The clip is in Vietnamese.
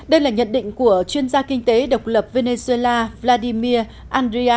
đây là nhận định của chuyên gia kinh tế độc lập venezuela vladimir andrian zasalat đưa ra ngày hai mươi năm tháng tám